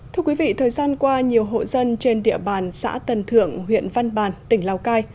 thưa quý vị thời gian qua nhiều hộ dân trên địa bàn xã tần thượng huyện văn bàn tỉnh lào cai